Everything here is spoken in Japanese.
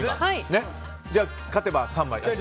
じゃあ勝てば３枚です。